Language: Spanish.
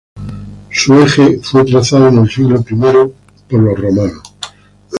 Su eje fue trazado en el siglo I por los romanos.